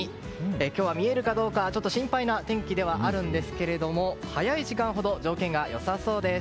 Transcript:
今日は見えるかどうか心配な天気ではあるんですけれども早い時間ほど条件が良さそうです。